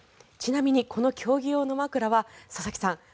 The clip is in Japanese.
ちなみにこの競技用の枕は佐々木さん